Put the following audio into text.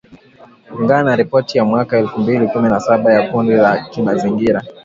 kulingana na ripoti ya mwaka elfu mbili kumi na saba ya kundi la kimazingira